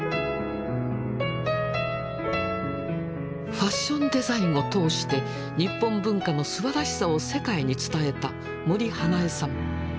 ファッションデザインを通して日本文化のすばらしさを世界に伝えた森英恵さん。